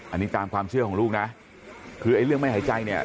อันนี้ตามความเชื่อของลูกนะคือไอ้เรื่องไม่หายใจเนี่ย